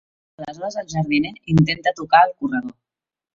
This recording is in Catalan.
Aleshores el jardiner intenta tocar el corredor.